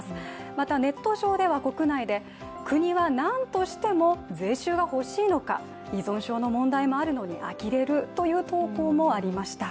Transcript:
また、ネット上では国内で国はなんとしても税収が欲しいのか依存症の問題もあるのにあきれるという投稿もありました。